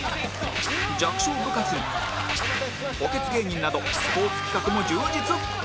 弱小部活に補欠芸人などスポーツ企画も充実！